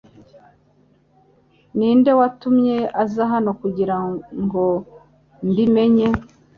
Ninde watumye uza hano kugirango mbi menye